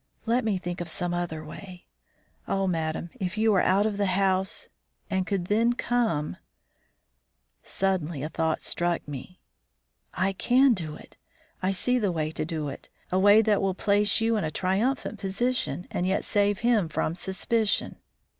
Let me think of some other way. Oh, madam! if you were out of the house, and could then come " Suddenly a thought struck me. "I can do it; I see the way to do it a way that will place you in a triumphant position, and yet save him from suspicion.